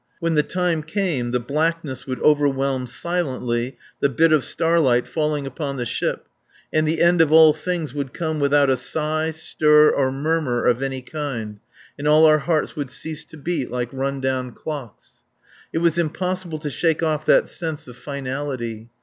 When the time came the blackness would overwhelm silently the bit of starlight falling upon the ship, and the end of all things would come without a sigh, stir, or murmur of any kind, and all our hearts would cease to beat like run down clocks. It was impossible to shake off that sense of finality.